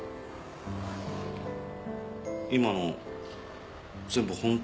今の全部本当？